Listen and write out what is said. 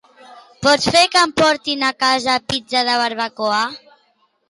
Pots fer que em portin a casa pizza de barbacoa?